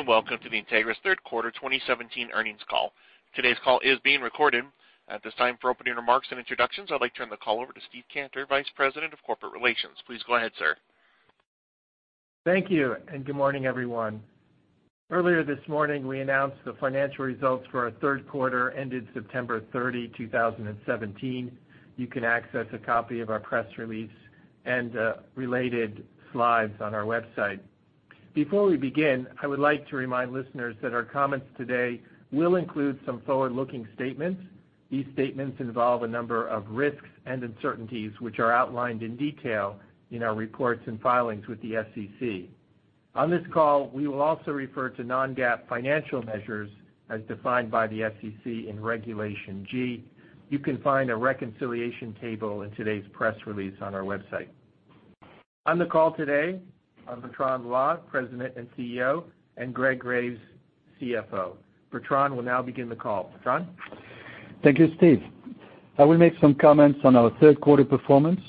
Good day. Welcome to the Entegris third quarter 2017 earnings call. Today's call is being recorded. At this time, for opening remarks and introductions, I'd like to turn the call over to Steve Cantor, Vice President of Corporate Relations. Please go ahead, sir. Thank you. Good morning, everyone. Earlier this morning, we announced the financial results for our third quarter ended September 30, 2017. You can access a copy of our press release and related slides on our website. Before we begin, I would like to remind listeners that our comments today will include some forward-looking statements. These statements involve a number of risks and uncertainties, which are outlined in detail in our reports and filings with the SEC. On this call, we will also refer to non-GAAP financial measures as defined by the SEC in Regulation G. You can find a reconciliation table in today's press release on our website. On the call today are Bertrand Loy, President and CEO, and Greg Graves, CFO. Bertrand will now begin the call. Bertrand? Thank you, Steve. I will make some comments on our third quarter performance.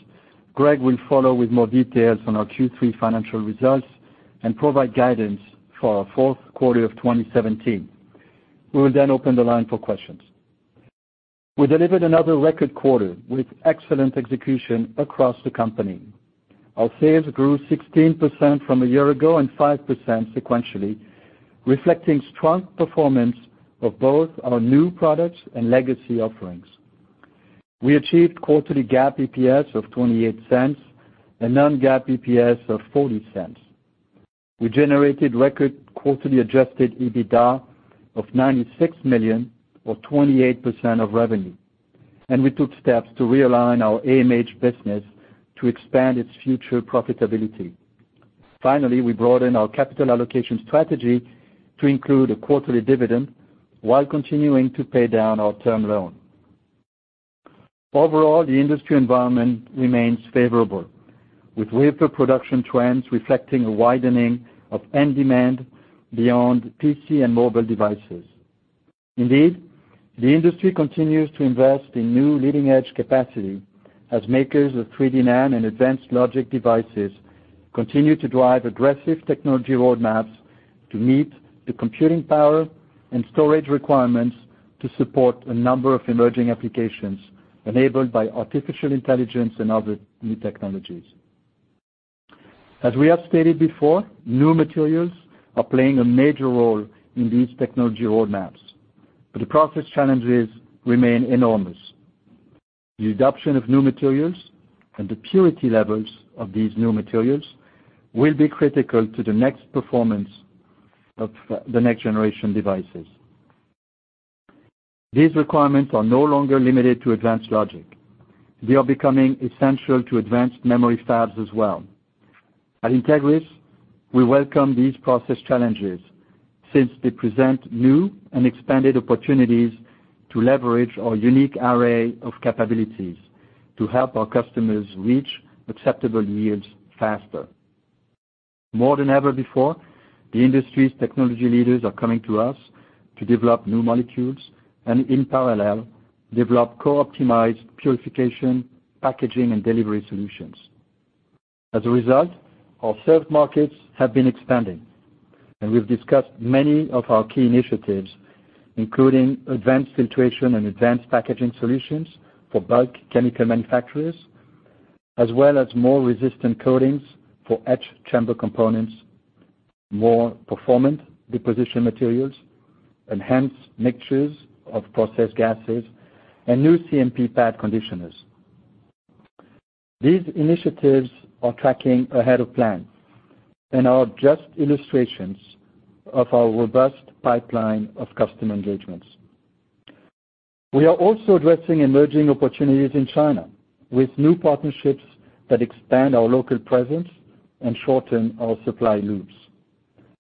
Greg will follow with more details on our Q3 financial results and provide guidance for our fourth quarter of 2017. We will then open the line for questions. We delivered another record quarter with excellent execution across the company. Our sales grew 16% from a year ago and 5% sequentially, reflecting strong performance of both our new products and legacy offerings. We achieved quarterly GAAP EPS of $0.28 and non-GAAP EPS of $0.40. We generated record quarterly adjusted EBITDA of $96 million, or 28% of revenue, and we took steps to realign our AMH business to expand its future profitability. Finally, we broadened our capital allocation strategy to include a quarterly dividend while continuing to pay down our term loan. Overall, the industry environment remains favorable, with wafer production trends reflecting a widening of end demand beyond PC and mobile devices. Indeed, the industry continues to invest in new leading-edge capacity as makers of 3D NAND and advanced logic devices continue to drive aggressive technology roadmaps to meet the computing power and storage requirements to support a number of emerging applications enabled by artificial intelligence and other new technologies. As we have stated before, new materials are playing a major role in these technology roadmaps. The process challenges remain enormous. The adoption of new materials and the purity levels of these new materials will be critical to the next performance of the next-generation devices. These requirements are no longer limited to advanced logic. They are becoming essential to advanced memory fabs as well. At Entegris, we welcome these process challenges since they present new and expanded opportunities to leverage our unique array of capabilities to help our customers reach acceptable yields faster. More than ever before, the industry's technology leaders are coming to us to develop new molecules and, in parallel, develop co-optimized purification, packaging, and delivery solutions. As a result, our served markets have been expanding. We've discussed many of our key initiatives, including advanced filtration and advanced packaging solutions for bulk chemical manufacturers, as well as more resistant coatings for etch chamber components, more performant deposition materials, enhanced mixtures of process gases, and new CMP pad conditioners. These initiatives are tracking ahead of plan and are just illustrations of our robust pipeline of customer engagements. We are also addressing emerging opportunities in China with new partnerships that expand our local presence and shorten our supply loops.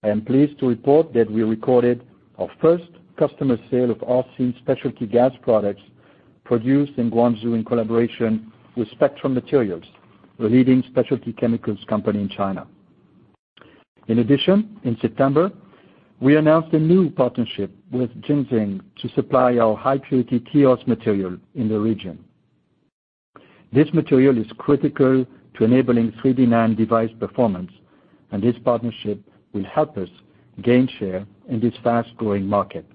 I am pleased to report that we recorded our first customer sale of specialty gas products produced in Guangzhou in collaboration with Spectrum Materials, a leading specialty chemicals company in China. In addition, in September, we announced a new partnership with Jingxing to supply our high-purity TEOS material in the region. This material is critical to enabling 3D NAND device performance. This partnership will help us gain share in this fast-growing market.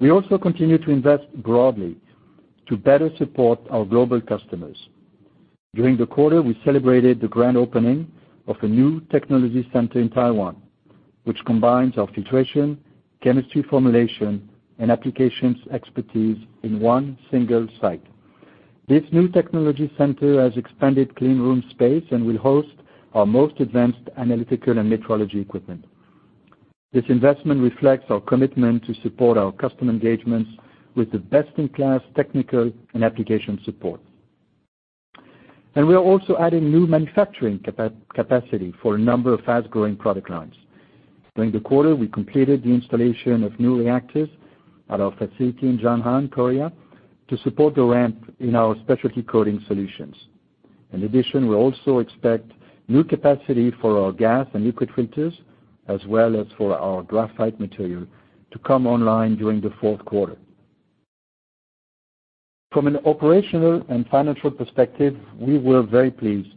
We also continue to invest broadly to better support our global customers. During the quarter, we celebrated the grand opening of a new technology center in Taiwan, which combines our filtration, chemistry formulation, and applications expertise in one single site. This new technology center has expanded clean room space and will host our most advanced analytical and metrology equipment. This investment reflects our commitment to support our customer engagements with the best-in-class technical and application support. We are also adding new manufacturing capacity for a number of fast-growing product lines. During the quarter, we completed the installation of new reactors at our facility in JangAn, Korea, to support the ramp in our specialty coating solutions. In addition, we also expect new capacity for our gas and liquid filters, as well as for our graphite material, to come online during the fourth quarter. From an operational and financial perspective, we were very pleased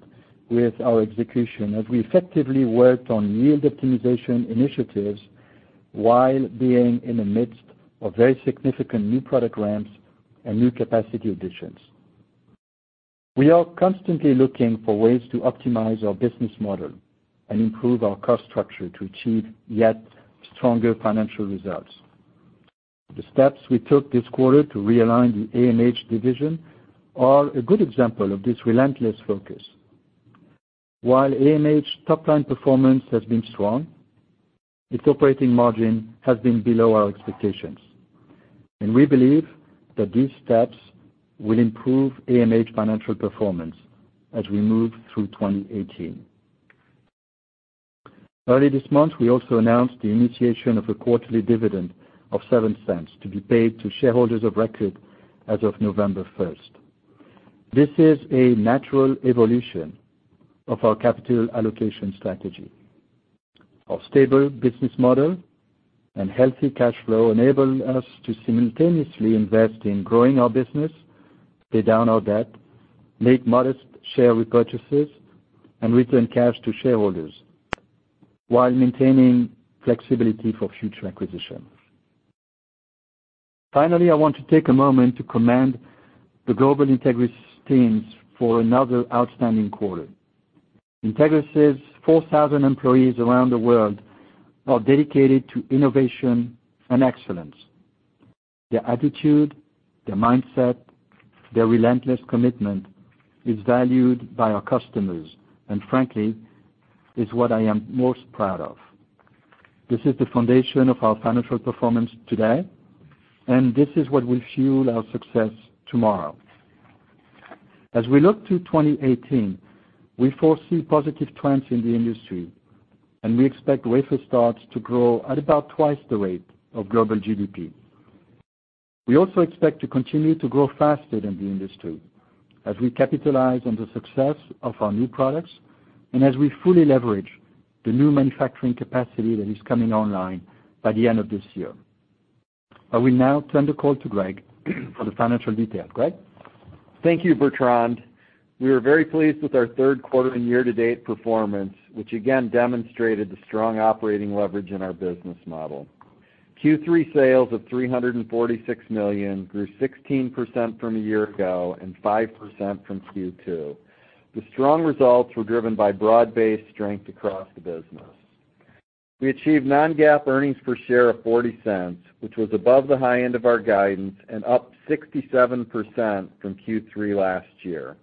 with our execution as we effectively worked on yield optimization initiatives while being in the midst of very significant new product ramps and new capacity additions. We are constantly looking for ways to optimize our business model and improve our cost structure to achieve yet stronger financial results. The steps we took this quarter to realign the AMH division are a good example of this relentless focus. While AMH's top-line performance has been strong, its operating margin has been below our expectations. We believe that these steps will improve AMH financial performance as we move through 2018. Early this month, we also announced the initiation of a quarterly dividend of $0.07 to be paid to shareholders of record as of November 1st. This is a natural evolution of our capital allocation strategy. Our stable business model and healthy cash flow enable us to simultaneously invest in growing our business, pay down our debt, make modest share repurchases, and return cash to shareholders while maintaining flexibility for future acquisitions. Finally, I want to take a moment to commend the global Entegris teams for another outstanding quarter. Entegris' 4,000 employees around the world are dedicated to innovation and excellence. Their attitude, their mindset, their relentless commitment is valued by our customers, and frankly, is what I am most proud of. This is the foundation of our financial performance today, and this is what will fuel our success tomorrow. As we look to 2018, we foresee positive trends in the industry, and we expect wafer starts to grow at about twice the rate of global GDP. We also expect to continue to grow faster than the industry as we capitalize on the success of our new products and as we fully leverage the new manufacturing capacity that is coming online by the end of this year. I will now turn the call to Greg for the financial details. Greg? Thank you, Bertrand. We are very pleased with our third quarter and year-to-date performance, which again demonstrated the strong operating leverage in our business model. Q3 sales of $346 million grew 16% from a year ago and 5% from Q2. The strong results were driven by broad-based strength across the business. We achieved non-GAAP earnings per share of $0.40, which was above the high end of our guidance and up 67% from Q3 last year.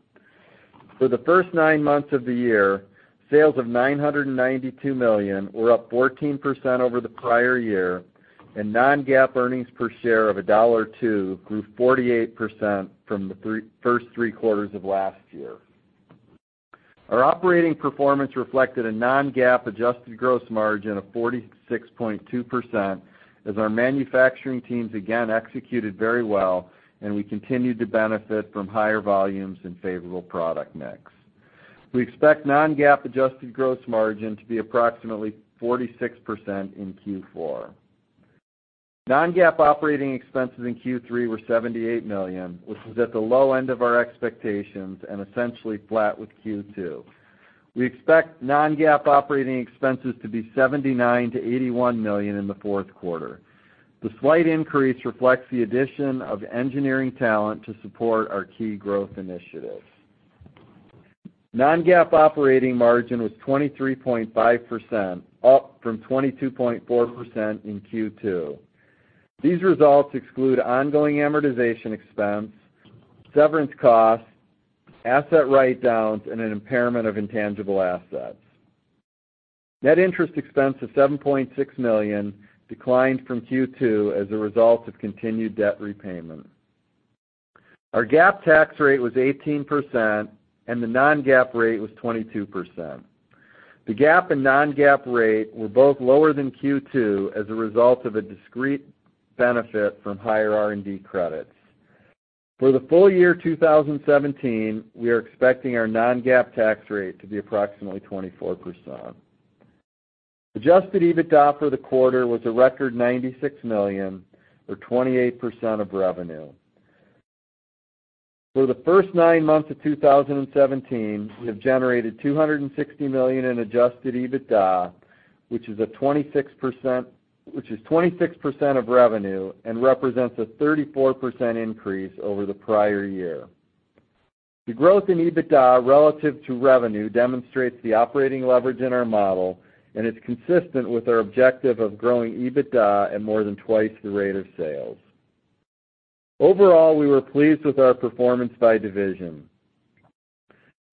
For the first nine months of the year, sales of $992 million were up 14% over the prior year, and non-GAAP earnings per share of $1.02 grew 48% from the first three quarters of last year. Our operating performance reflected a non-GAAP adjusted gross margin of 46.2% as our manufacturing teams again executed very well and we continued to benefit from higher volumes and favorable product mix. We expect non-GAAP adjusted gross margin to be approximately 46% in Q4. Non-GAAP operating expenses in Q3 were $78 million, which was at the low end of our expectations and essentially flat with Q2. We expect non-GAAP operating expenses to be $79 million-$81 million in the fourth quarter. The slight increase reflects the addition of engineering talent to support our key growth initiatives. Non-GAAP operating margin was 23.5%, up from 22.4% in Q2. These results exclude ongoing amortization expense, severance costs, asset write-downs, and an impairment of intangible assets. Net interest expense of $7.6 million declined from Q2 as a result of continued debt repayment. Our GAAP tax rate was 18%, and the non-GAAP rate was 22%. The GAAP and non-GAAP rate were both lower than Q2 as a result of a discrete benefit from higher R&D credits. For the full year 2017, we are expecting our non-GAAP tax rate to be approximately 24%. Adjusted EBITDA for the quarter was a record $96 million, or 28% of revenue. For the first nine months of 2017, we have generated $260 million in adjusted EBITDA, which is 26% of revenue and represents a 34% increase over the prior year. The growth in EBITDA relative to revenue demonstrates the operating leverage in our model and is consistent with our objective of growing EBITDA at more than twice the rate of sales. Overall, we were pleased with our performance by division.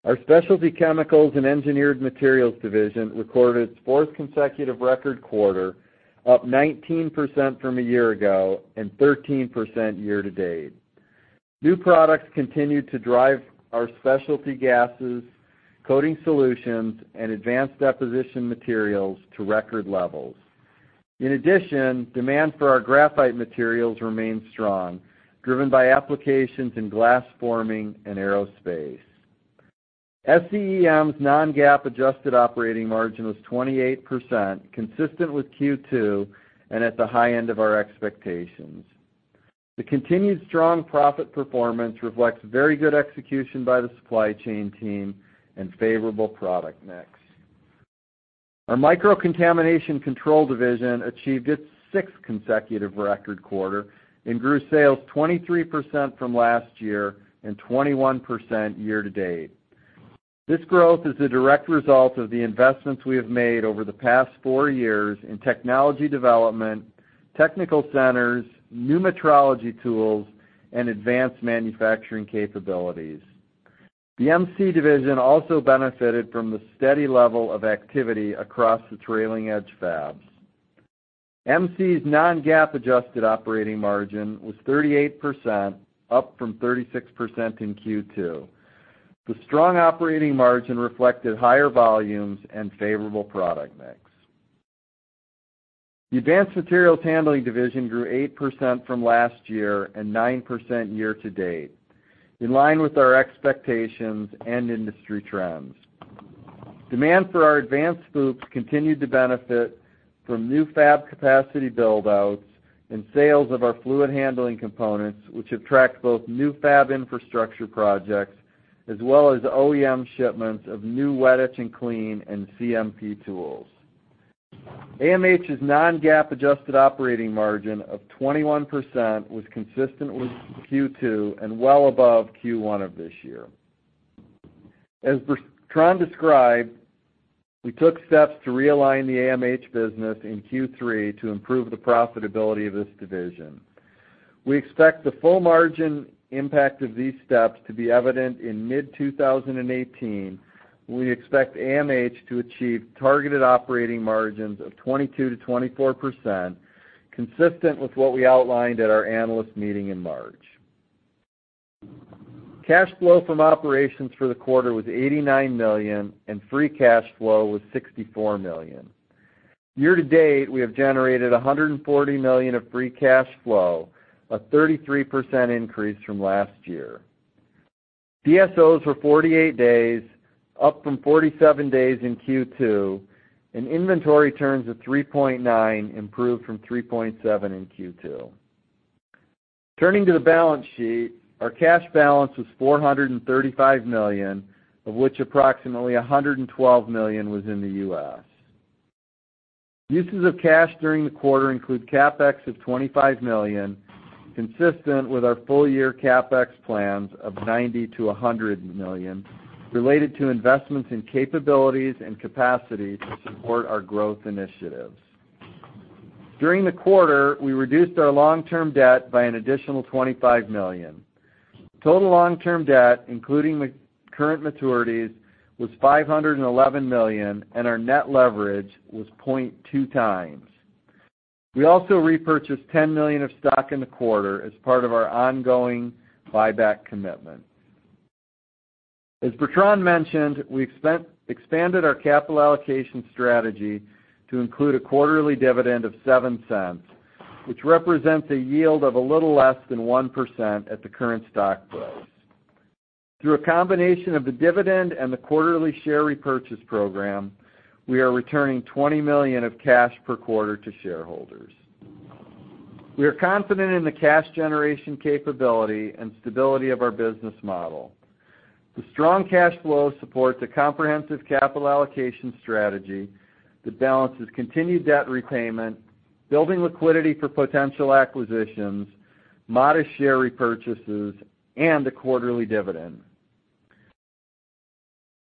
Our Specialty Chemicals and Engineered Materials division recorded its fourth consecutive record quarter, up 19% from a year ago and 13% year-to-date. New products continued to drive our specialty gases, coating solutions, and advanced deposition materials to record levels. In addition, demand for our graphite materials remained strong, driven by applications in glass forming and aerospace. SCEM's non-GAAP adjusted operating margin was 28%, consistent with Q2 and at the high end of our expectations. The continued strong profit performance reflects very good execution by the supply chain team and favorable product mix. Our Microcontamination Control division achieved its sixth consecutive record quarter and grew sales 23% from last year and 21% year-to-date. This growth is a direct result of the investments we have made over the past four years in technology development, technical centers, new metrology tools, and advanced manufacturing capabilities. The MC division also benefited from the steady level of activity across the trailing edge fabs. MC's non-GAAP adjusted operating margin was 38%, up from 36% in Q2. The strong operating margin reflected higher volumes and favorable product mix. The Advanced Materials Handling division grew 8% from last year and 9% year-to-date, in line with our expectations and industry trends. Demand for our advanced FOUPs continued to benefit from new fab capacity build-outs and sales of our fluid handling components, which have tracked both new fab infrastructure projects as well as OEM shipments of new wet etch and clean and CMP tools. AMH's non-GAAP adjusted operating margin of 21% was consistent with Q2 and well above Q1 of this year. As Bertrand described, we took steps to realign the AMH business in Q3 to improve the profitability of this division. We expect the full margin impact of these steps to be evident in mid-2018. We expect AMH to achieve targeted operating margins of 22%-24%, consistent with what we outlined at our analyst meeting in March. Cash flow from operations for the quarter was $89 million, and free cash flow was $64 million. Year-to-date, we have generated $140 million of free cash flow, a 33% increase from last year. DSOs were 48 days, up from 47 days in Q2, and inventory turns of 3.9 improved from 3.7 in Q2. Turning to the balance sheet, our cash balance was $435 million, of which approximately $112 million was in the U.S. Uses of cash during the quarter include CapEx of $25 million, consistent with our full-year CapEx plans of $90 million-$100 million, related to investments in capabilities and capacity to support our growth initiatives. During the quarter, we reduced our long-term debt by an additional $25 million. Total long-term debt, including the current maturities, was $511 million, and our net leverage was 0.2 times. We also repurchased $10 million of stock in the quarter as part of our ongoing buyback commitment. As Bertrand mentioned, we expanded our capital allocation strategy to include a quarterly dividend of $0.07, which represents a yield of a little less than 1% at the current stock price. Through a combination of the dividend and the quarterly share repurchase program, we are returning $20 million of cash per quarter to shareholders. We are confident in the cash generation capability and stability of our business model. The strong cash flow supports a comprehensive capital allocation strategy that balances continued debt repayment, building liquidity for potential acquisitions, modest share repurchases, and a quarterly dividend.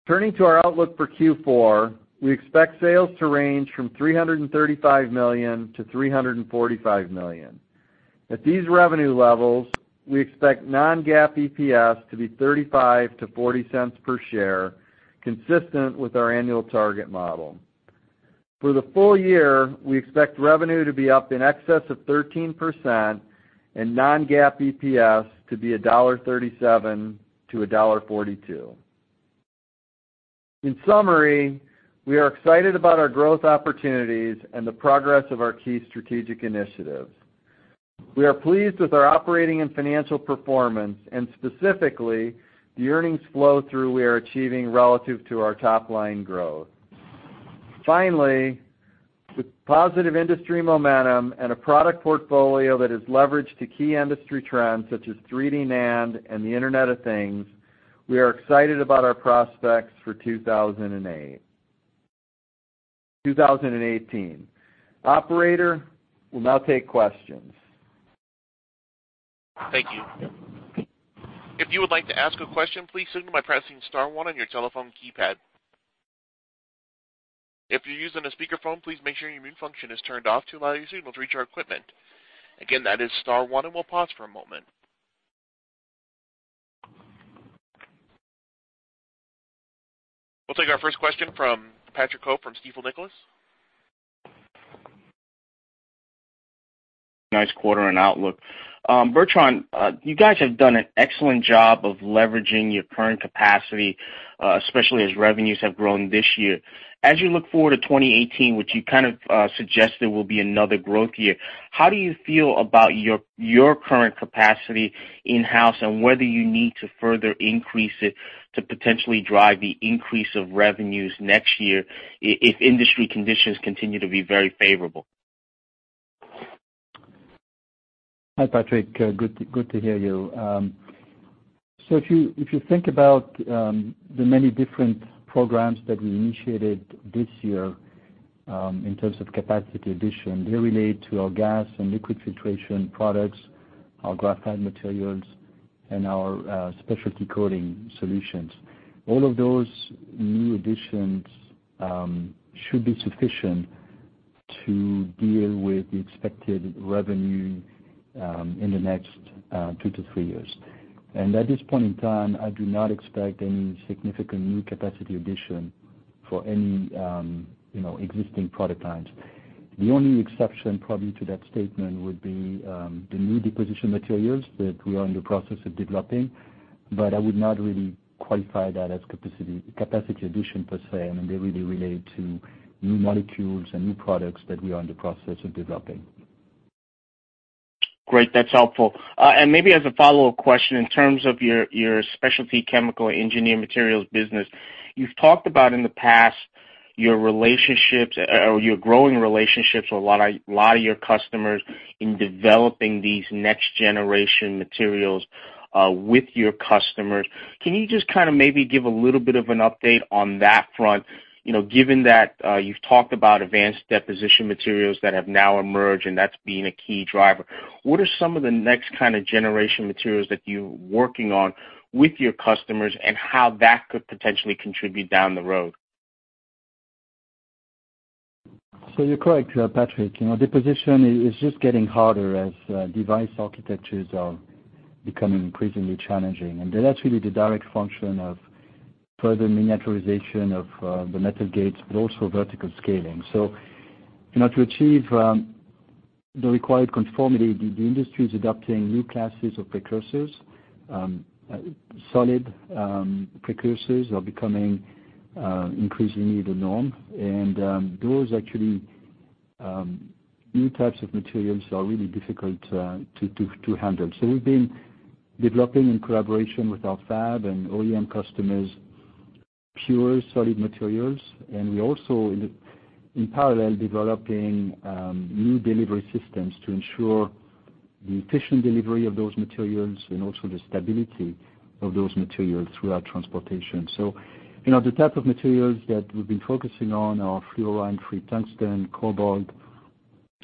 Turning to our outlook for Q4, we expect sales to range from $335 million-$345 million. At these revenue levels, we expect non-GAAP EPS to be $0.35-$0.40 per share, consistent with our annual target model. For the full year, we expect revenue to be up in excess of 13% and non-GAAP EPS to be $1.37 to $1.42. In summary, we are excited about our growth opportunities and the progress of our key strategic initiatives. We are pleased with our operating and financial performance, and specifically, the earnings flow-through we are achieving relative to our top-line growth. Finally, with positive industry momentum and a product portfolio that is leveraged to key industry trends such as 3D NAND and the Internet of Things, we are excited about our prospects for 2018. Operator, we will now take questions. Thank you. If you would like to ask a question, please signal by pressing star one on your telephone keypad. If you are using a speakerphone, please make sure your mute function is turned off to allow your signal to reach our equipment. Again, that is star one. We will pause for a moment. We will take our first question from Patrick Ho from Stifel Nicolaus. Nice quarter and outlook. Bertrand, you guys have done an excellent job of leveraging your current capacity, especially as revenues have grown this year. As you look forward to 2018, which you kind of suggested will be another growth year, how do you feel about your current capacity in-house and whether you need to further increase it to potentially drive the increase of revenues next year, if industry conditions continue to be very favorable? Hi, Patrick. Good to hear you. If you think about the many different programs that we initiated this year in terms of capacity addition, they relate to our gas and liquid filtration products, our graphite materials, and our specialty coating solutions. All of those new additions should be sufficient to deal with the expected revenue in the next two to three years. At this point in time, I do not expect any significant new capacity addition for any existing product lines. The only exception probably to that statement would be the new deposition materials that we are in the process of developing, I mean, they really relate to new molecules and new products that we are in the process of developing. Great. That's helpful. Maybe as a follow-up question, in terms of your Specialty Chemicals and Engineered Materials business, you've talked about in the past your growing relationships with a lot of your customers in developing these next-generation materials with your customers. Can you just kind of maybe give a little bit of an update on that front, given that you've talked about advanced deposition materials that have now emerged, and that's been a key driver. What are some of the next kind of generation materials that you're working on with your customers, and how that could potentially contribute down the road? You're correct, Patrick. Deposition is just getting harder as device architectures are becoming increasingly challenging. That's really the direct function of further miniaturization of the metal gates, but also vertical scaling. To achieve the required conformity, the industry is adopting new classes of precursors. Solid precursors are becoming increasingly the norm, and those actually, new types of materials are really difficult to handle. We've been developing in collaboration with our fab and OEM customers, pure solid materials, and we also in parallel, developing new delivery systems to ensure the efficient delivery of those materials and also the stability of those materials throughout transportation. The type of materials that we've been focusing on are fluorine-free tungsten, cobalt.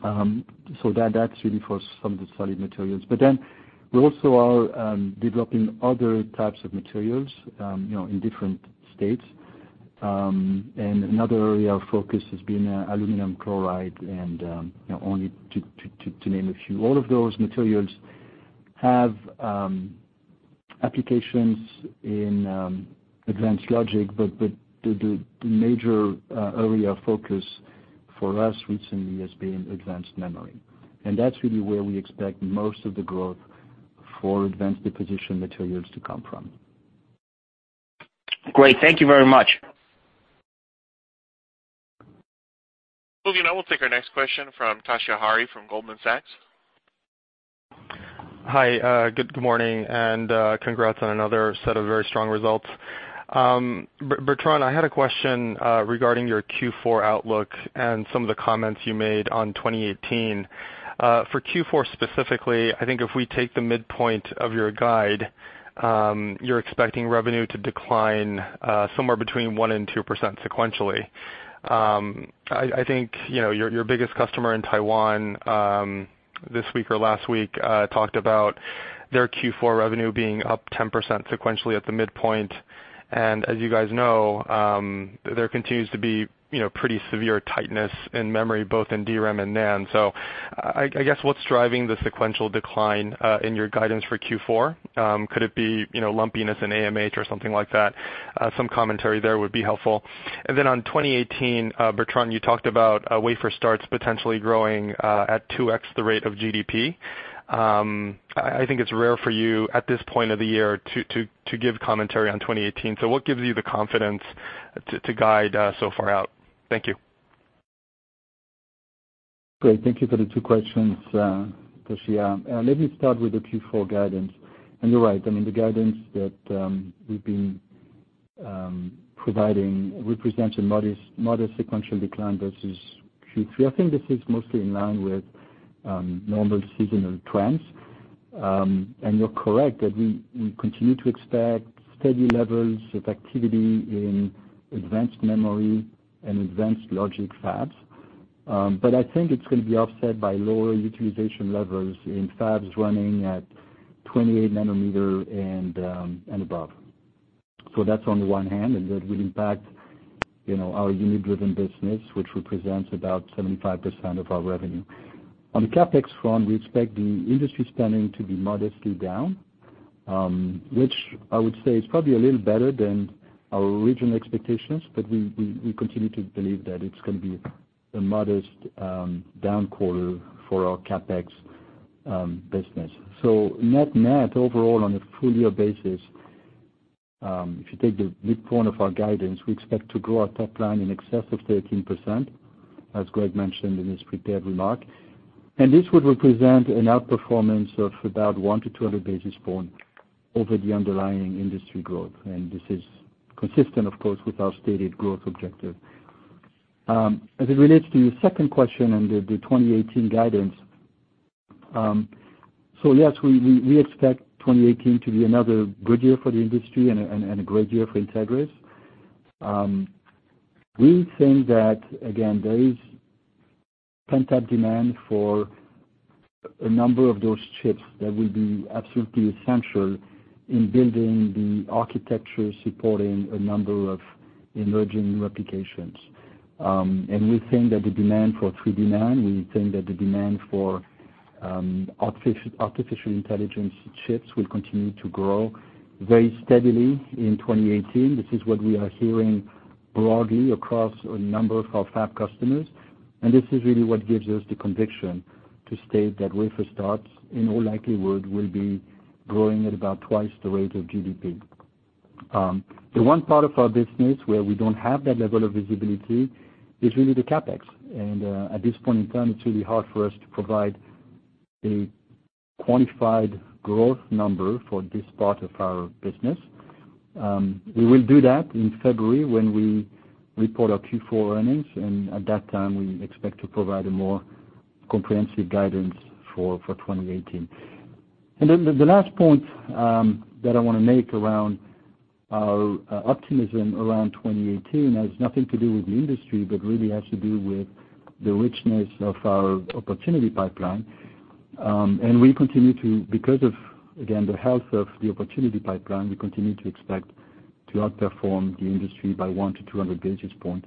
That's really for some of the solid materials. We also are developing other types of materials in different states. Another area of focus has been aluminum chloride and only to name a few. All of those materials have applications in advanced logic, but the major area of focus for us recently has been advanced memory. That's really where we expect most of the growth for advanced deposition materials to come from. Great. Thank you very much. Moving on, we'll take our next question from Toshiya Hari from Goldman Sachs. Hi. Good morning. Congrats on another set of very strong results. Bertrand, I had a question regarding your Q4 outlook and some of the comments you made on 2018. For Q4 specifically, I think if we take the midpoint of your guide, you're expecting revenue to decline somewhere between 1% and 2% sequentially. I think your biggest customer in Taiwan, this week or last week, talked about their Q4 revenue being up 10% sequentially at the midpoint. As you guys know, there continues to be pretty severe tightness in memory, both in DRAM and NAND. I guess what's driving the sequential decline in your guidance for Q4? Could it be lumpiness in AMH or something like that? Some commentary there would be helpful. On 2018, Bertrand, you talked about wafer starts potentially growing at 2x the rate of GDP. I think it's rare for you at this point of the year to give commentary on 2018. What gives you the confidence to guide so far out? Thank you. Great. Thank you for the two questions, Toshiya. Let me start with the Q4 guidance. You're right. I mean, the guidance that we've been providing represents a modest sequential decline versus Q3. I think this is mostly in line with normal seasonal trends. You're correct that we continue to expect steady levels of activity in advanced memory and advanced logic fabs. I think it's going to be offset by lower utilization levels in fabs running at 28 nanometer and above. That's on the one hand, and that will impact our unit-driven business, which represents about 75% of our revenue. On the CapEx front, we expect the industry spending to be modestly down Which I would say is probably a little better than our original expectations, we continue to believe that it's going to be a modest down quarter for our CapEx business. Net overall on a full year basis, if you take the midpoint of our guidance, we expect to grow our top line in excess of 13%, as Greg mentioned in his prepared remark. This would represent an outperformance of about 100 to 200 basis point over the underlying industry growth. This is consistent, of course, with our stated growth objective. As it relates to your second question under the 2018 guidance, yes, we expect 2018 to be another good year for the industry and a great year for Entegris. We think that, again, there is pent-up demand for a number of those chips that will be absolutely essential in building the architecture supporting a number of emerging new applications. We think that the demand for 3D NAND, we think that the demand for artificial intelligence chips will continue to grow very steadily in 2018. This is what we are hearing broadly across a number of our fab customers, this is really what gives us the conviction to state that wafer starts, in all likelihood, will be growing at about twice the rate of GDP. The one part of our business where we don't have that level of visibility is really the CapEx. At this point in time, it's really hard for us to provide a quantified growth number for this part of our business. We will do that in February when we report our Q4 earnings, at that time, we expect to provide a more comprehensive guidance for 2018. The last point that I want to make around our optimism around 2018 has nothing to do with the industry, but really has to do with the richness of our opportunity pipeline. Because of, again, the health of the opportunity pipeline, we continue to expect to outperform the industry by 100 to 200 basis point.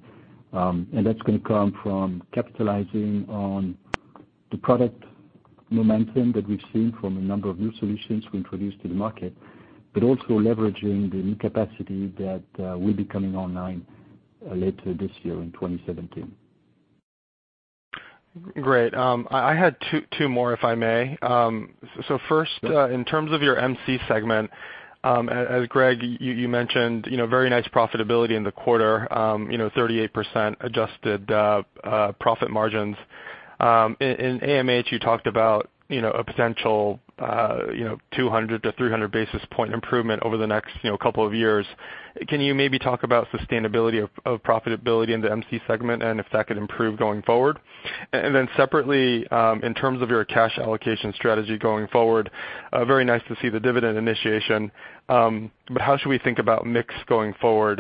That's going to come from capitalizing on the product momentum that we've seen from a number of new solutions we introduced to the market, but also leveraging the new capacity that will be coming online later this year in 2017. Great. I had two more, if I may. First, in terms of your MC segment, as Greg, you mentioned very nice profitability in the quarter, 38% adjusted profit margins. In AMH, you talked about a potential 200 to 300 basis point improvement over the next couple of years. Can you maybe talk about sustainability of profitability in the MC segment and if that could improve going forward? Separately, in terms of your cash allocation strategy going forward, very nice to see the dividend initiation. How should we think about mix going forward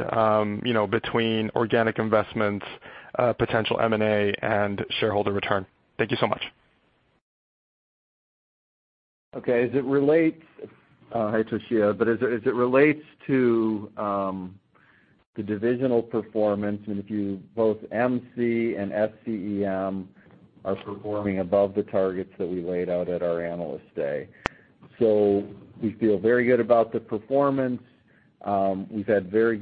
between organic investments, potential M&A, and shareholder return? Thank you so much. Hi, Toshiya. As it relates to the divisional performance, both MC and SCEM are performing above the targets that we laid out at our Analyst Day. We feel very good about the performance. We've had very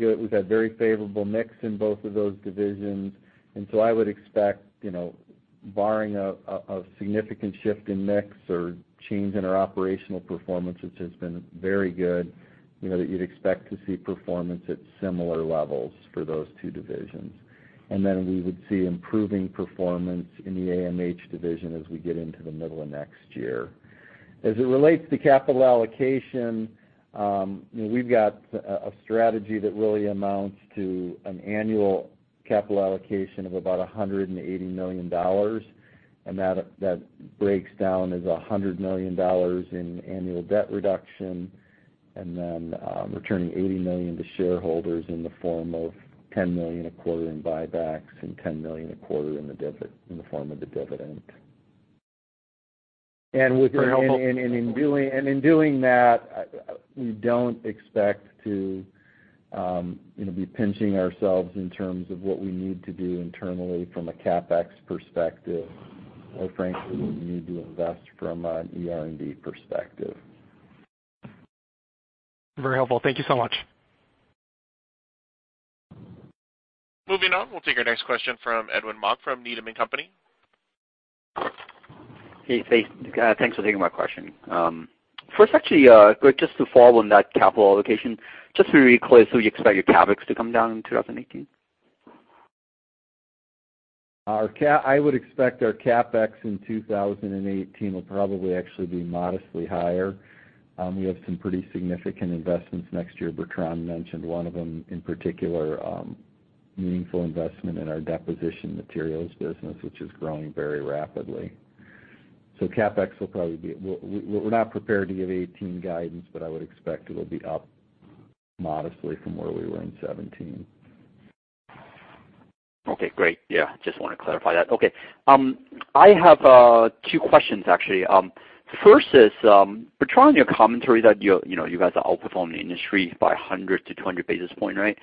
favorable mix in both of those divisions. I would expect, barring a significant shift in mix or change in our operational performance, which has been very good, that you'd expect to see performance at similar levels for those two divisions. Then we would see improving performance in the AMH division as we get into the middle of next year. As it relates to capital allocation, we've got a strategy that really amounts to an annual capital allocation of about $180 million. That breaks down as $100 million in annual debt reduction, then returning $80 million to shareholders in the form of $10 million a quarter in buybacks and $10 million a quarter in the form of the dividend. In doing that, we don't expect to be pinching ourselves in terms of what we need to do internally from a CapEx perspective, or frankly, what we need to invest from an ER&D perspective. Very helpful. Thank you so much. Moving on, we'll take our next question from Edwin Mok from Needham & Company. Hey, thanks for taking my question. First, actually, Greg, just to follow on that capital allocation, just to be really clear, you expect your CapEx to come down in 2018? I would expect our CapEx in 2018 will probably actually be modestly higher. We have some pretty significant investments next year. Bertrand mentioned one of them in particular, meaningful investment in our deposition materials business, which is growing very rapidly. We're not prepared to give 2018 guidance, but I would expect it'll be up modestly from where we were in 2017. Okay, great. Yeah, just want to clarify that. Okay. I have two questions, actually. First is, Bertrand, your commentary that you guys are outperforming the industry by 100 to 200 basis points, right?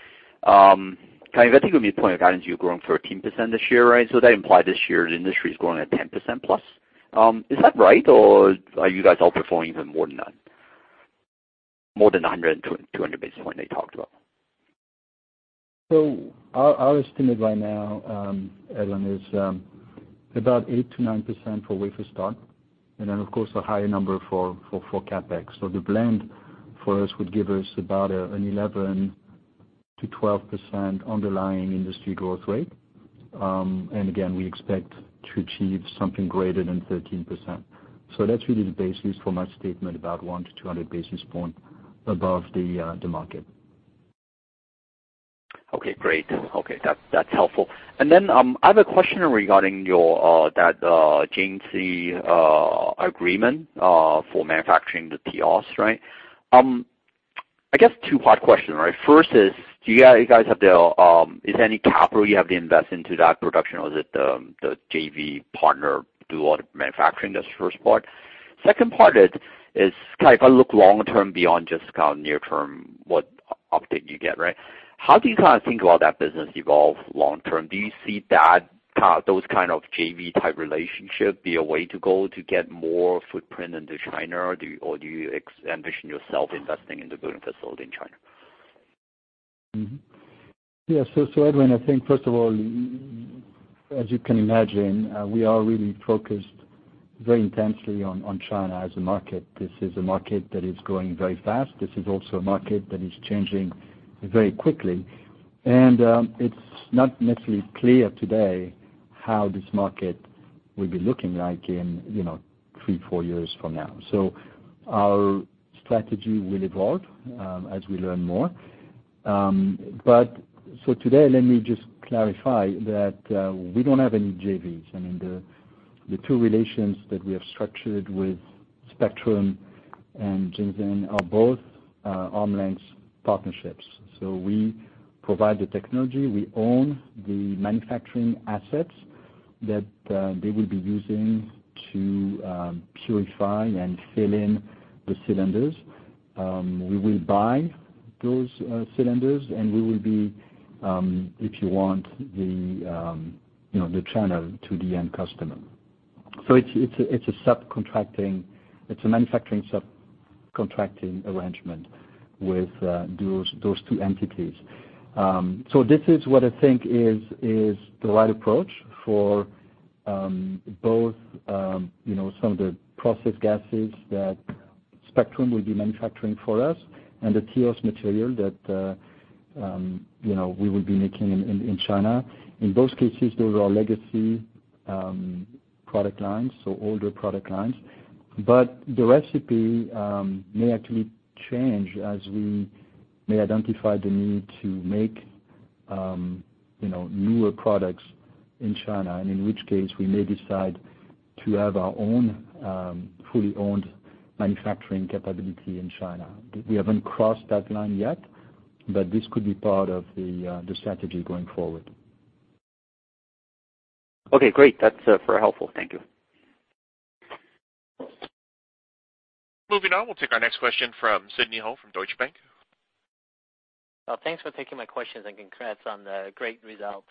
Can I take it from your point of guidance, you're growing 13% this year, right? That imply this year the industry is growing at 10% plus. Is that right, or are you guys outperforming even more than that? More than 100, 200 basis points that you talked about. Our estimate right now, Edwin, is about 8% to 9% for wafer starts. Then, of course, a higher number for CapEx. The blend for us would give us about an 11% to 12% underlying industry growth rate. Again, we expect to achieve something greater than 13%. That's really the basis for my statement about 100 to 200 basis points above the market. Okay, great. Okay. That's helpful. I have a question regarding that Jingxing agreement for manufacturing the TEOS, right? I guess two-part question. First is there any capital you have to invest into that production, or does the JV partner do all the manufacturing? That's the first part. Second part is, if I look long term beyond just near term, what update you get. How do you think about that business evolve long term? Do you see those kind of JV type relationship be a way to go to get more footprint into China? Or do you ambition yourself investing in the building facility in China? Edwin, I think first of all, as you can imagine, we are really focused very intensely on China as a market. This is a market that is growing very fast. This is also a market that is changing very quickly. It's not necessarily clear today how this market will be looking like in three, four years from now. Our strategy will evolve as we learn more. Today, let me just clarify that we don't have any JVs. The two relations that we have structured with Spectrum and Jingxing are both arm's-length partnerships. We provide the technology, we own the manufacturing assets that they will be using to purify and fill in the cylinders. We will buy those cylinders, and we will be, if you want, the channel to the end customer. It's a manufacturing subcontracting arrangement with those two entities. This is what I think is the right approach for both some of the process gases that Spectrum will be manufacturing for us and the TEOS material that we will be making in China. In both cases, those are our legacy product lines, so older product lines. The recipe may actually change as we may identify the need to make newer products in China. In which case, we may decide to have our own fully owned manufacturing capability in China. We haven't crossed that line yet, but this could be part of the strategy going forward. Okay, great. That's very helpful. Thank you. Moving on, we'll take our next question from Sidney Ho from Deutsche Bank. Thanks for taking my questions. Congrats on the great results.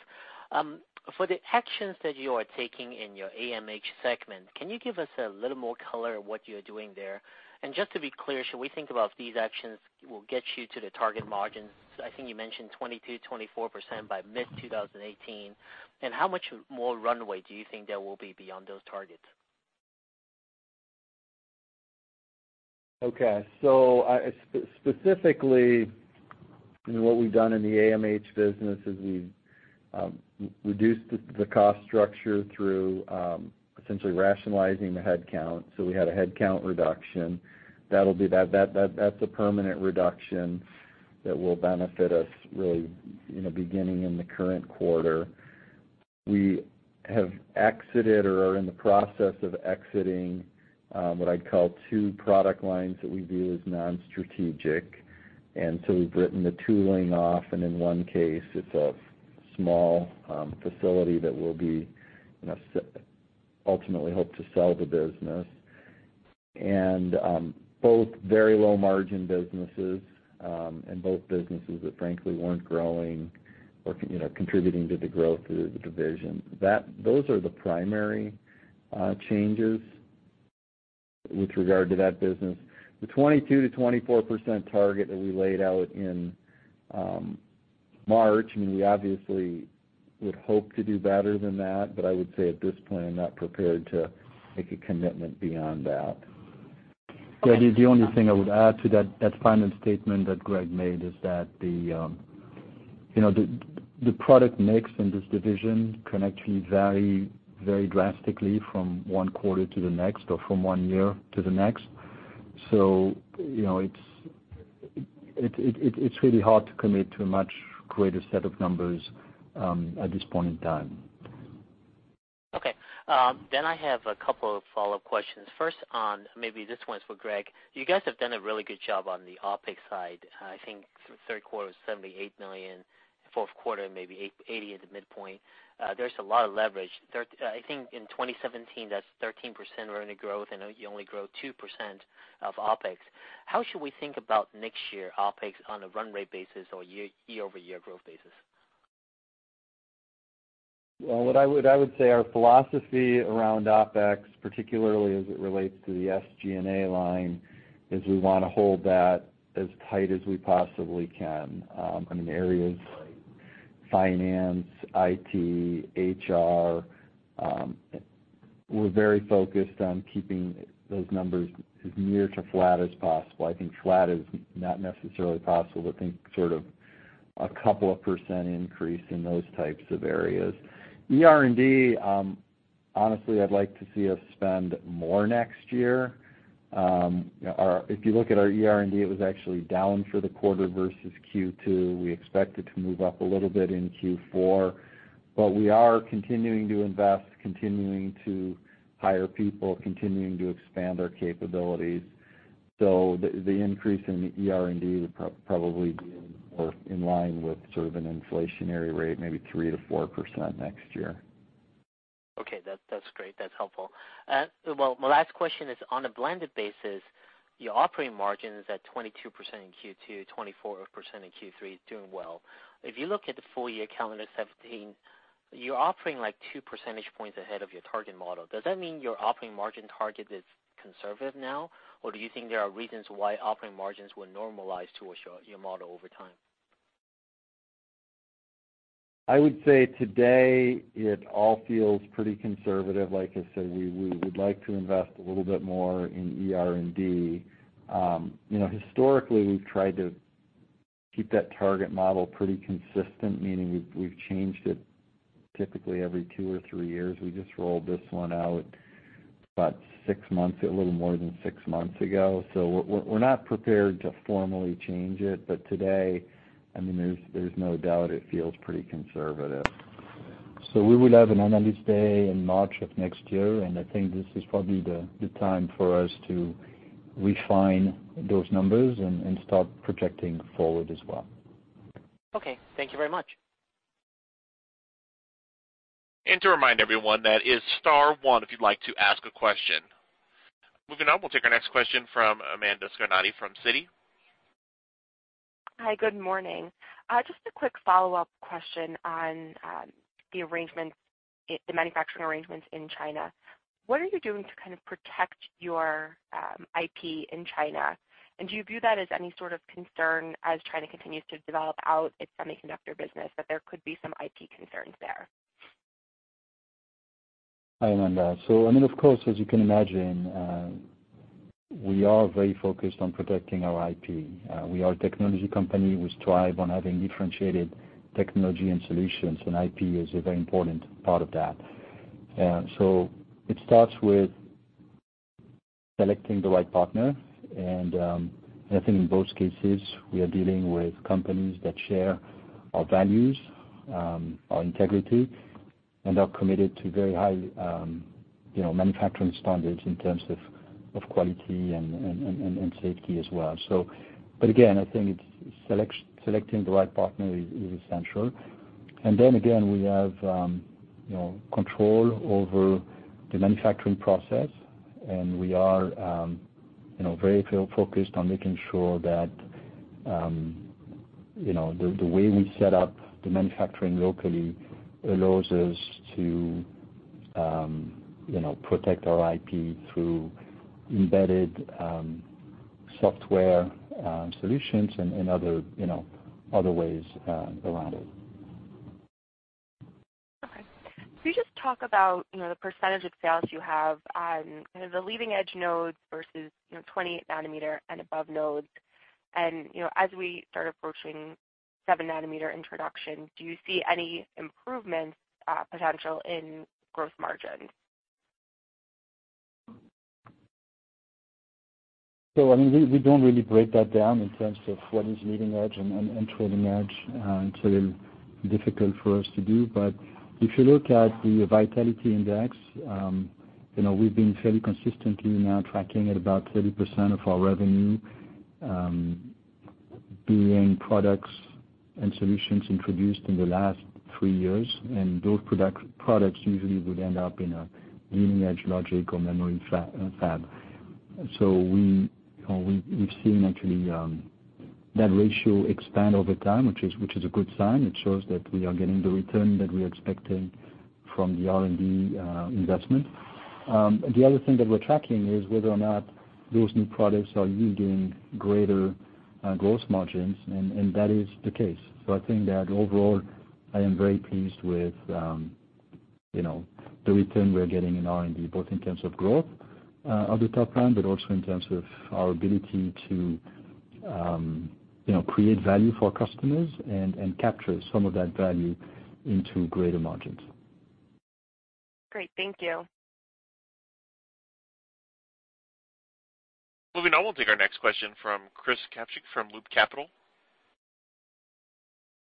For the actions that you are taking in your AMH segment, can you give us a little more color on what you're doing there? Just to be clear, should we think about these actions will get you to the target margins? I think you mentioned 22%-24% by mid-2018. How much more runway do you think there will be beyond those targets? Specifically, what we've done in the AMH business is we've reduced the cost structure through essentially rationalizing the headcount. We had a headcount reduction. That's a permanent reduction that will benefit us really beginning in the current quarter. We have exited or are in the process of exiting what I'd call two product lines that we view as non-strategic. We've written the tooling off, and in one case, it's a small facility that we ultimately hope to sell the business. Both very low margin businesses, and both businesses that frankly weren't growing or contributing to the growth of the division. Those are the primary changes with regard to that business. The 22%-24% target that we laid out in March, we obviously would hope to do better than that, I would say at this point, I'm not prepared to make a commitment beyond that. Sidney, the only thing I would add to that final statement that Greg made is that the product mix in this division can actually vary very drastically from one quarter to the next or from one year to the next. It's really hard to commit to a much greater set of numbers at this point in time. Okay. I have a couple of follow-up questions. First on, maybe this one's for Greg. You guys have done a really good job on the OpEx side. I think third quarter was $78 million, fourth quarter, maybe $80 at the midpoint. There's a lot of leverage. I think in 2017, that's 13% revenue growth, and you only grow 2% of OpEx. How should we think about next year OpEx on a run rate basis or year-over-year growth basis? Well, what I would say our philosophy around OpEx, particularly as it relates to the SG&A line, is we want to hold that as tight as we possibly can. In areas like finance, IT, HR, we're very focused on keeping those numbers as near to flat as possible. I think flat is not necessarily possible, but think sort of a couple of percent increase in those types of areas. ER&D, honestly, I'd like to see us spend more next year. If you look at our ER&D, it was actually down for the quarter versus Q2. We expect it to move up a little bit in Q4, but we are continuing to invest, continuing to hire people, continuing to expand our capabilities. The increase in ER&D would probably be more in line with sort of an inflationary rate, maybe 3%-4% next year. Okay. That's great. That's helpful. Well, my last question is, on a blended basis, your operating margin is at 22% in Q2, 24% in Q3, doing well. If you look at the full year calendar 2017, you're operating like two percentage points ahead of your target model. Does that mean your operating margin target is conservative now, or do you think there are reasons why operating margins will normalize towards your model over time? I would say today it all feels pretty conservative. Like I said, we would like to invest a little bit more in ER&D. Historically, we've tried to keep that target model pretty consistent, meaning we've changed it typically every two or three years. We just rolled this one out a little more than six months ago. We're not prepared to formally change it. Today, there's no doubt it feels pretty conservative. We will have an analyst day in March of next year, and I think this is probably the time for us to refine those numbers and start projecting forward as well. Okay. Thank you very much. To remind everyone, that is star one if you'd like to ask a question. Moving on, we'll take our next question from Amanda Scarnati from Citi. Hi. Good morning. Just a quick follow-up question on the manufacturing arrangements in China. What are you doing to kind of protect your IP in China? Do you view that as any sort of concern as China continues to develop out its semiconductor business, that there could be some IP concerns there? Hi, Amanda. Of course, as you can imagine, we are very focused on protecting our IP. We are a technology company. We strive on having differentiated technology and solutions, and IP is a very important part of that. It starts with selecting the right partner, and I think in both cases, we are dealing with companies that share our values, our integrity, and are committed to very high manufacturing standards in terms of quality and safety as well. Again, I think selecting the right partner is essential. Then again, we have control over the manufacturing process, and we are very focused on making sure that the way we set up the manufacturing locally allows us to protect our IP through embedded software solutions and other ways around it. Okay. Can you just talk about the percentage of sales you have on the leading-edge nodes versus 28 nanometer and above nodes, and as we start approaching seven nanometer introduction, do you see any improvement potential in gross margin? We don't really break that down in terms of what is leading-edge and trailing-edge. It's a little difficult for us to do. If you look at the Vitality Index, we've been fairly consistently now tracking at about 30% of our revenue being products and solutions introduced in the last three years, and those products usually would end up in a leading-edge logic or memory fab. We've seen actually that ratio expand over time, which is a good sign. It shows that we are getting the return that we are expecting from the R&D investment. The other thing that we're tracking is whether or not those new products are yielding greater gross margins, and that is the case. I think that overall, I am very pleased with the return we are getting in R&D, both in terms of growth of the top line, but also in terms of our ability to create value for customers and capture some of that value into greater margins. Great. Thank you. Moving on, we'll take our next question from Chris Kapsch from Loop Capital.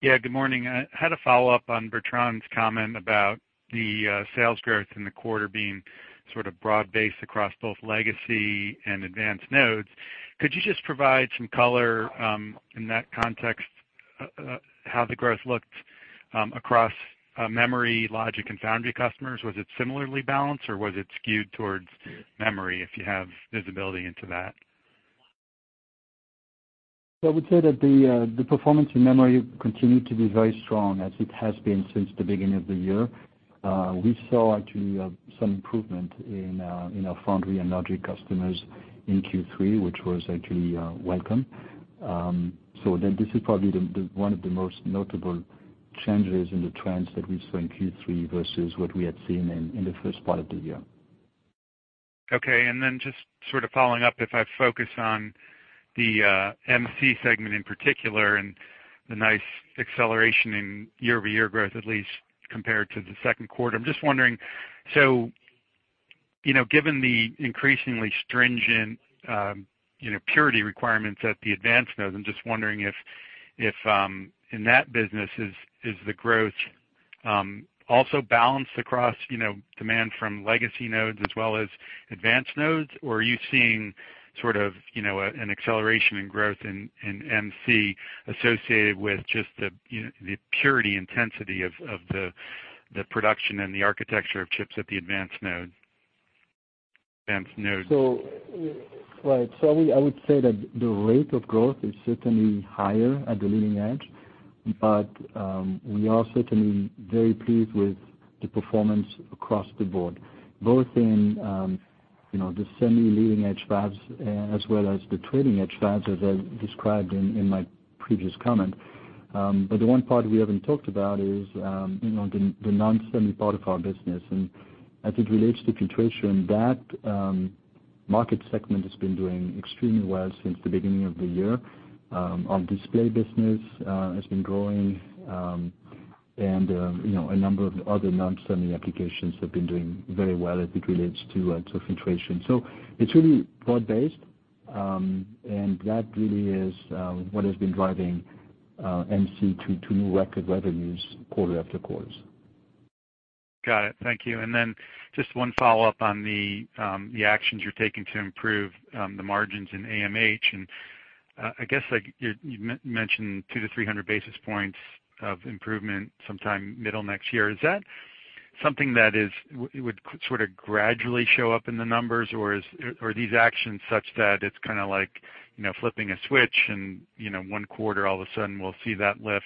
Yeah, good morning. I had a follow-up on Bertrand's comment about the sales growth in the quarter being sort of broad-based across both legacy and advanced nodes. Could you just provide some color, in that context, how the growth looked across memory, logic, and foundry customers? Was it similarly balanced, or was it skewed towards memory, if you have visibility into that? I would say that the performance in memory continued to be very strong as it has been since the beginning of the year. We saw actually some improvement in our foundry and logic customers in Q3, which was actually welcome. This is probably one of the most notable changes in the trends that we saw in Q3 versus what we had seen in the first part of the year. Just sort of following up, if I focus on the MC segment in particular and the nice acceleration in year-over-year growth, at least compared to the second quarter. I'm just wondering, given the increasingly stringent purity requirements at the advanced nodes, I'm just wondering if in that business, is the growth also balanced across demand from legacy nodes as well as advanced nodes? Or are you seeing sort of an acceleration in growth in MC associated with just the purity intensity of the production and the architecture of chips at the advanced node? I would say that the rate of growth is certainly higher at the leading edge, but we are certainly very pleased with the performance across the board, both in the semi-leading edge fabs as well as the trailing edge fabs, as I described in my previous comment. The one part we haven't talked about is the non-semi part of our business. As it relates to filtration, that market segment has been doing extremely well since the beginning of the year. Our display business has been growing, and a number of other non-semi applications have been doing very well as it relates to filtration. It's really broad-based, and that really is what has been driving MC to new record revenues quarter after quarter. Got it. Thank you. Just one follow-up on the actions you're taking to improve the margins in AMH, and I guess you mentioned 2 to 300 basis points of improvement sometime middle of next year. Is that something that would sort of gradually show up in the numbers, or are these actions such that it's kind of like flipping a switch, and one quarter all of a sudden we'll see that lift?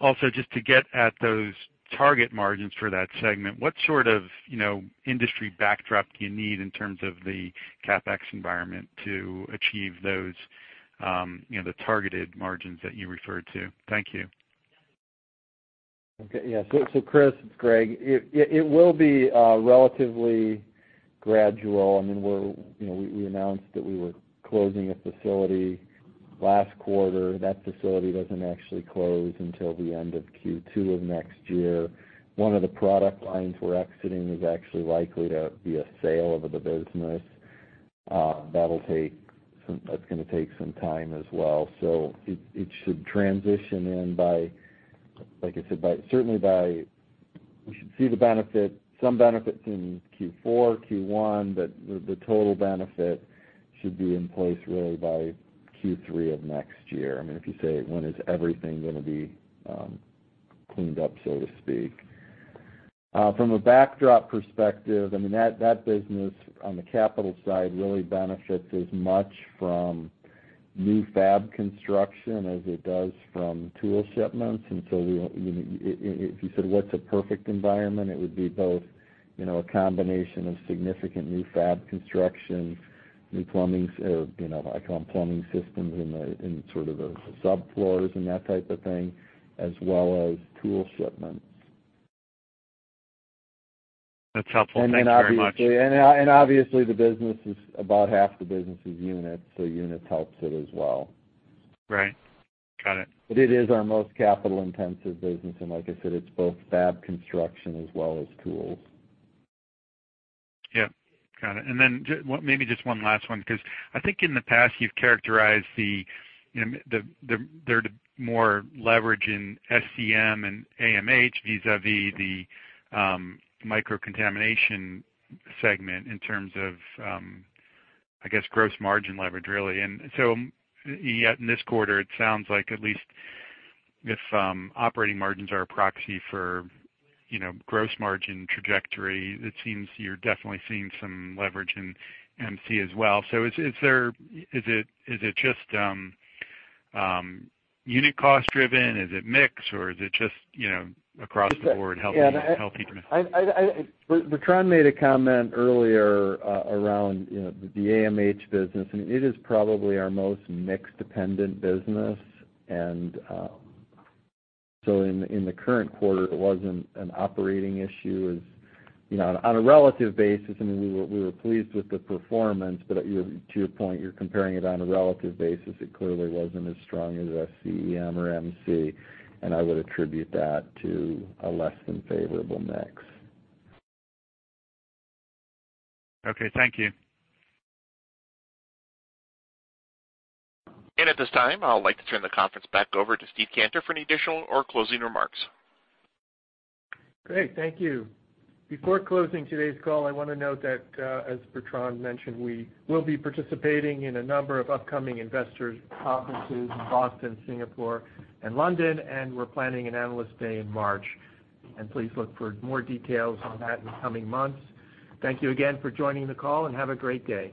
Also just to get at those target margins for that segment, what sort of industry backdrop do you need in terms of the CapEx environment to achieve those targeted margins that you referred to? Thank you. Okay. Yeah. Chris, it's Greg. It will be relatively gradual. We announced that we were closing a facility last quarter. That facility doesn't actually close until the end of Q2 of next year. One of the product lines we're exiting is actually likely to be a sale of the business. That's going to take some time as well. It should transition in by, like I said, we should see some benefit in Q4, Q1, but the total benefit should be in place really by Q3 of next year, I mean, if you say when is everything going to be cleaned up, so to speak. From a backdrop perspective, I mean, that business on the capital side really benefits as much from new fab construction as it does from tool shipments. If you said what's a perfect environment, it would be both a combination of significant new fab construction, new plumbings, or I call them plumbing systems in sort of the subfloors and that type of thing, as well as tool shipments. That's helpful. Thanks very much. Obviously, about half the business is units. Units helps it as well. Right. Got it. It is our most capital-intensive business, and like I said, it's both fab construction as well as tools. Yeah. Got it. Then maybe just one last one, because I think in the past you've characterized there's more leverage in SCEM and AMH vis-à-vis the microcontamination segment in terms of, I guess, gross margin leverage, really. Yet in this quarter, it sounds like at least if operating margins are a proxy for gross margin trajectory, it seems you're definitely seeing some leverage in MC as well. Is it just unit cost driven? Is it mix, or is it just across the board healthy mix? Bertrand made a comment earlier around the AMH business, it is probably our most mix-dependent business, in the current quarter, it wasn't an operating issue. On a relative basis, I mean, we were pleased with the performance, to your point, you're comparing it on a relative basis. It clearly wasn't as strong as SCEM or MC, and I would attribute that to a less than favorable mix. Okay. Thank you. At this time, I would like to turn the conference back over to Steve Cantor for any additional or closing remarks. Great. Thank you. Before closing today's call, I want to note that, as Bertrand mentioned, we will be participating in a number of upcoming investor conferences in Boston, Singapore and London, and we're planning an Analyst Day in March. Please look for more details on that in the coming months. Thank you again for joining the call, and have a great day.